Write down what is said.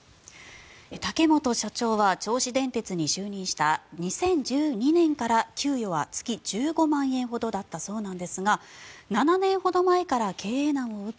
竹本社長は銚子電鉄に就任した２０１２年から給与は月１５万円ほどだったそうなんですが７年ほど前から経営難を受け